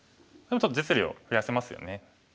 ちょっと実利を増やせますよね。